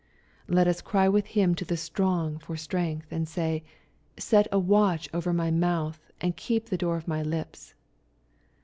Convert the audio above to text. '' Let us ciy with him to the Strong for strength, and say, " Set a watch over my mouth, and keep the door of my lips."